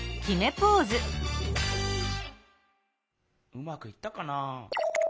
うまくいったかな？